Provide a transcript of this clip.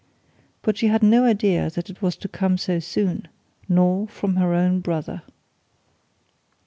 But she had no idea that it was to come so soon, nor from her own brother.